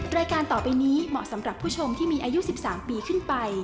รายการต่อไปนี้เหมาะสำหรับผู้ชมที่มีอายุ๑๓ปีขึ้นไป